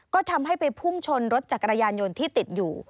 ก็ทำให้ไปพุ่งชนรถจักรยานยนต์ที่ติดอยู่